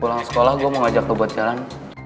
pulang sekolah gue mau ajak lo buat jalan